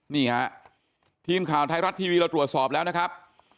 นี่ฮะทีมข่าวไทยรัฐทีวีเราตรวจสอบแล้วนะครับ